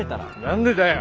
何でだよ。